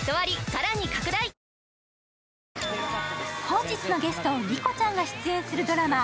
本日のゲスト、莉子ちゃんが出演するドラマ